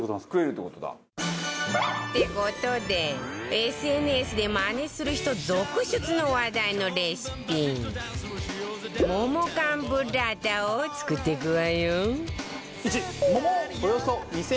って事で ＳＮＳ でマネする人続出の話題のレシピ桃缶ブッラータを作っていくわよ